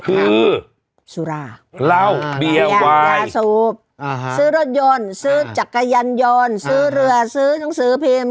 คือสุราเหล้าเบียร์ยาสูบซื้อรถยนต์ซื้อจักรยานยนต์ซื้อเรือซื้อหนังสือพิมพ์